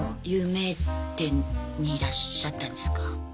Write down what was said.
有名店にいらっしゃったんですか？